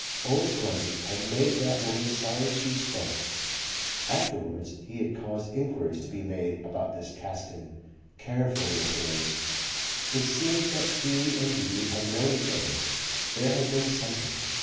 Old Grammont had made that woman sorry she spoke. Afterwards he had caused enquiries to be made about this Caston, careful enquiries. It seems that he and V.V. had known each other, there had been something.